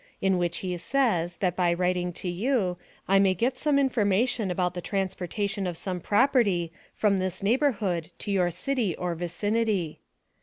in which he says, that by writing to you, I may get some information about the transportation of some property from this neighborhood to your city or vicinity.